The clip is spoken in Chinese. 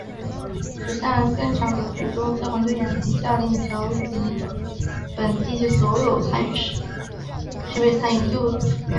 驶向现场的途中消防队长即下令调集本地区所有设备参与救援。